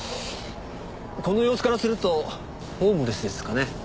この様子からするとホームレスですかね。